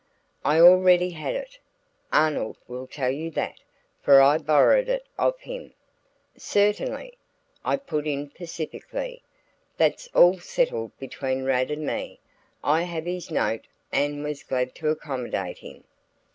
"I already had it Arnold will tell you that, for I borrowed it of him." "Certainly," I put in pacifically "that's all settled between Rad and me. I have his note and was glad to accommodate him."